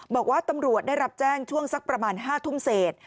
บอกว่าตำรวจได้รับแจ้งช่วงสักประมาณ๕ทุ่มเศษ